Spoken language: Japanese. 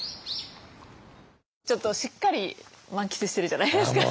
ちょっとしっかり満喫してるじゃないですか。